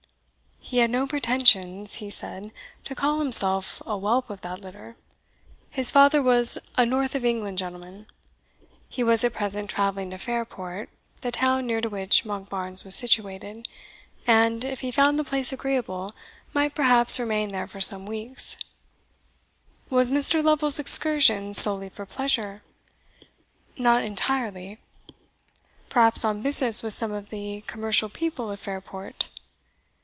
"He had no pretensions," he said, "to call himself a whelp of that litter; his father was a north of England gentleman. He was at present travelling to Fairport (the town near to which Monkbarns was situated), and, if he found the place agreeable, might perhaps remain there for some weeks." "Was Mr. Lovel's excursion solely for pleasure?" "Not entirely." "Perhaps on business with some of the commercial people of Fairport?"